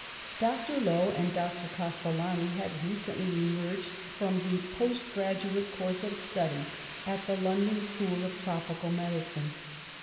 Dr. Low and Dr. Castellani had recently emerged from the postgraduate course of study at the London School of Tropical Medicine.